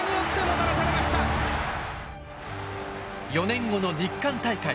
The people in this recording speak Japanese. ４年後の日韓大会。